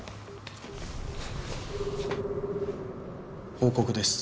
報告です。